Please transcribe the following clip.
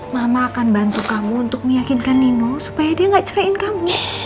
mama akan bantu kamu untuk meyakinkan nino supaya dia gak cerahin kamu